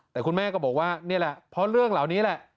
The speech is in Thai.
แต่คุณแม่ก็บอกว่านี่แหละเพราะเรื่องเหล่านี้แหละ